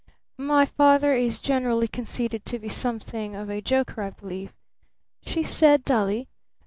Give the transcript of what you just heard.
"My father is generally conceded to be something of a joker, I believe," she said dully.